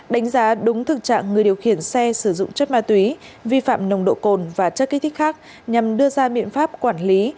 đánh giá đúng thực trạng người điều khiển xe sử dụng chất ma túy vi phạm nồng độ cồn và chất kích thích khác nhằm đưa ra biện pháp quản lý